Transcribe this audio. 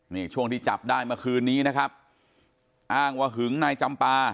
นี่ช่วงที่จับได้เมื่อคืนนี้นะครับอ้างว่าหึงนายจำปา